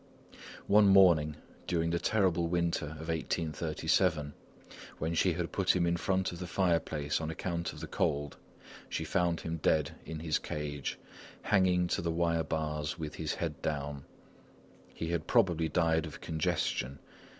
One morning during the terrible winter of 1837, when she had put him in front of the fire place on account of the cold, she found him dead in his cage, hanging to the wire bars with his head down. He had probably died of congestion.